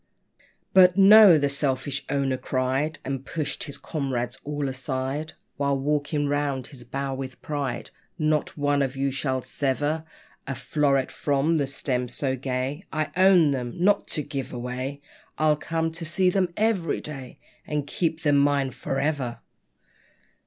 But "No," the selfish owner cried, And pushed his comrades all aside, While walking round his bower with pride, "Not one of you shall sever A floweret from the stem so gay; I own them, not to give away! I'll come to see them every day; And keep them mine for ever!"